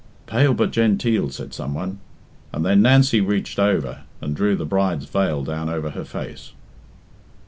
"Pale but genteel," said some one, and then Nancy reached over and drew the bride's veil down over her face.